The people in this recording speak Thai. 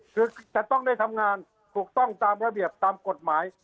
คือจะต้องได้ทำงานถูกต้องตามระเบียบตามกฎหมาย